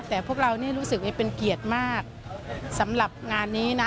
แต่พวกเรานี่รู้สึกว่าเป็นเกียรติมากสำหรับงานนี้นะ